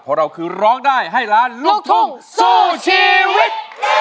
เพราะเราคือร้องได้ให้ล้านลูกทุ่งสู้ชีวิต